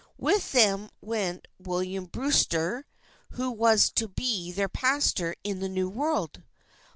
With them went William Brewster, who was to be their pastor in the New World.